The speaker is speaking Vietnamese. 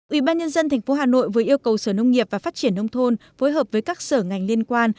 ubnd tp hà nội vừa yêu cầu sở nông nghiệp và phát triển nông thôn phối hợp với các sở ngành liên quan